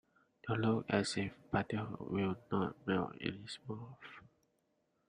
To look as if butter will not melt in his mouth.